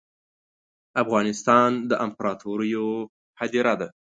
افغانستان ده امپراتوریو هدیره ده